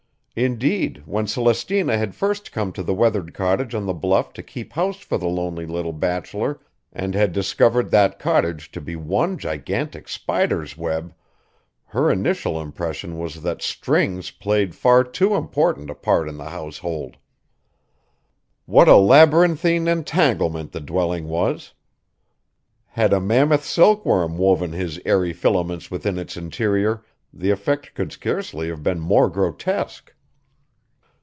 Indeed, when Celestina had first come to the weathered cottage on the bluff to keep house for the lonely little bachelor and had discovered that cottage to be one gigantic spider's web, her initial impression was that strings played far too important a part in the household. What a labyrinthine entanglement the dwelling was! Had a mammoth silkworm woven his airy filaments within its interior, the effect could scarcely have been more grotesque.